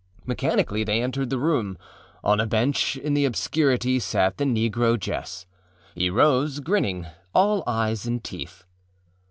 Mechanically they entered the room. On a bench in the obscurity sat the negro Jess. He rose, grinning, all eyes and teeth.